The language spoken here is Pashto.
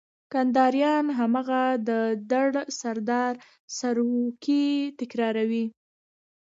کنداريان هماغه د ډر سردار سروکی تکراروي.